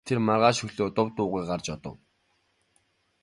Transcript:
Тэр маргааш өглөө нь дув дуугүй гарч одов.